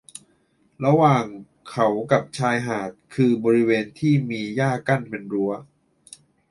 ระหว่างเขากับชายหาดคือบริเวณที่มีหญ้ากั้นเป็นรั้ว